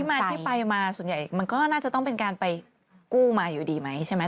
มันก็น่าจะต้องเป็นการไปกู้มาอยู่ดีไหมใช่ไหม